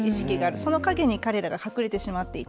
その陰に彼らが隠れてしまっている。